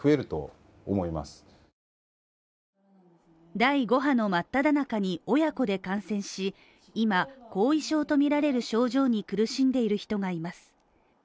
第５波の真っただ中に親子で感染し、今、後遺症とみられる症状に苦しんでいる人がいます。